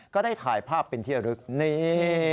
ก็ได้ถ่ายภาพเป็นที่ระลึกนี่